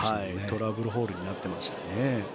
トラブルホールになっていましたね。